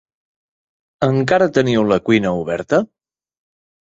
Encara teniu la cuina oberta?